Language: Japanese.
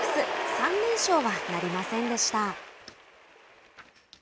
３連勝はなりませんでした。